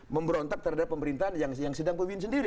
memberontak terhadap pemerintahan yang sedang pimpin